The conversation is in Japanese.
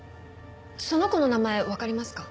その子の名前わかりますか？